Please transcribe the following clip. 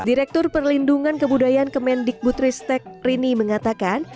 direktur perlindungan kebudayaan kemendik butristek rini mengatakan